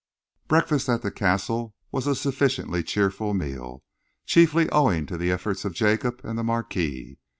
Breakfast at the Castle was a sufficiently cheerful meal, chiefly owing to the efforts of Jacob and the Marquis.